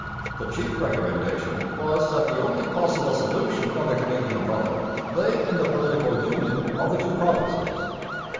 The chief recommendation was that the only possible solution of the Canadian problem lay in the political union of the two provinces.